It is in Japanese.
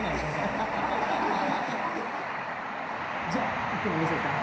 じゃあいってもよろしいですか？